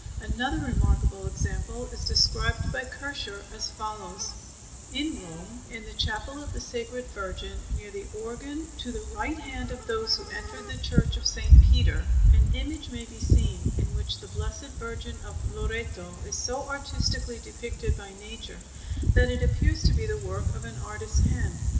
Another remarkable example is described by Kircher as follows: In Rome, in the Chapel of the Sacred Virgin, near the organ to the right hand of those who enter the Church of St. Peter, an image may be seen in which the Blessed Virgin of Loreto is so artistically depicted by Nature that it appears to be the work of an artist's hand.